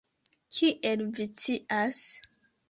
Kiel vi scias?